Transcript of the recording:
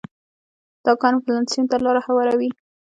دا کار انفلاسیون ته لار هواروي.